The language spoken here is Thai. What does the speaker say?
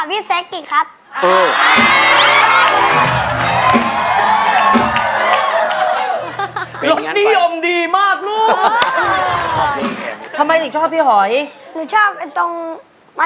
เห็นไหมที่ดูบอกล่ะ